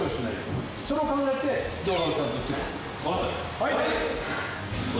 はい！